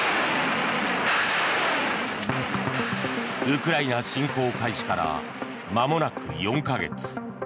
ウクライナ侵攻開始からまもなく４か月。